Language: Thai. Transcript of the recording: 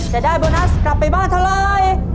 จะได้โบนัสกลับไปบ้านเถอะเลย